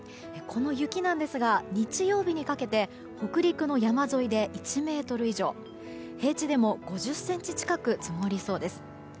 この雪なんですが日曜日にかけて北陸の山沿いで１ｍ以上平地でも５０ｃｍ近く積もりそうです。